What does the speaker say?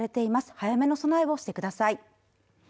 早めの備えをしてください